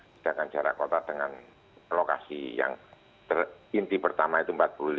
sedangkan jarak kota dengan lokasi yang inti pertama itu empat puluh lima